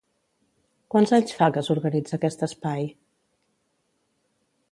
Quants anys fa que s'organitza aquest espai?